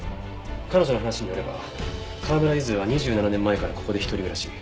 彼女の話によれば川村ゆずは２７年前からここで一人暮らし。